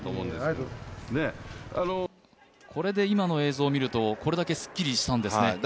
これで今の映像を見ると、これだけすっきりしたんですね。